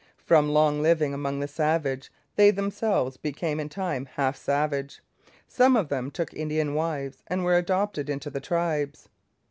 From long living among the savages they themselves became in time half savage. Some of them took Indian wives and were adopted into the tribes.